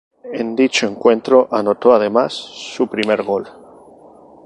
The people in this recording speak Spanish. En dicho encuentro anotó, además, su primer gol.